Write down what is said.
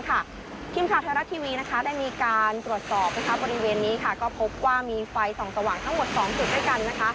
พิมพ์คาเทอรัสทีวีได้มีการตรวจสอบบริเวณนี้ก็พบว่ามีไฟส่องสว่างทั้งหมด๒สิบด้วยกัน